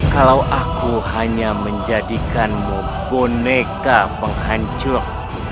kalau aku hanya menjadikanmu boneka penghancur